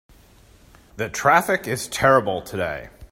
The traffic is terrible today.